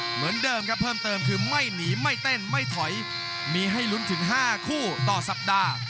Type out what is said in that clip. เหมือนเดิมครับเพิ่มเติมคือไม่หนีไม่เต้นไม่ถอยมีให้ลุ้นถึง๕คู่ต่อสัปดาห์